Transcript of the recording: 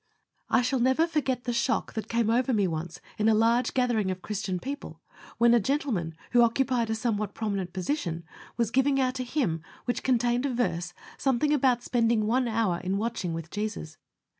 I shall never forget the shock that came over me once in a large gathering of Christian people, when a gentleman, who occupied a somewhat prominent position, was giving out a hymn which contained a verse something about spending one hour in watching with Jesus.